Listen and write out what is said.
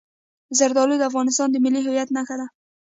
زردالو د افغانستان د ملي هویت نښه ده.